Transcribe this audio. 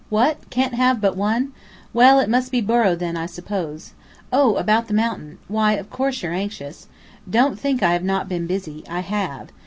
What? Can't have but one? Well, it must be Borrow, then, I suppose. Oh, about the mountain? Why, of course you're anxious. Don't think I have not been busy. I have.